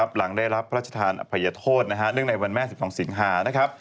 หลังได้รับพระราชทานอภัยโทษเนื่องในวันแม่๑๒สิงหานะครับ